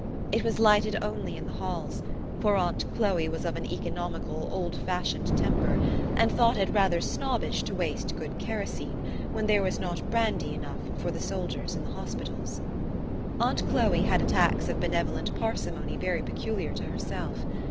It was lighted only in the halls ; for aunt Chloe was of an economical, old fashioned temper, and thought it rather snobbish to waste good kerosene, when there was not brandy enough for the soldiers in the hospitals. Aunt Chloe 28 THE STORY OF AVIS. had attacks of benevolent parsimony very peculiar to herself.